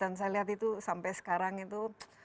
dan saya lihat itu sampai sekarang itu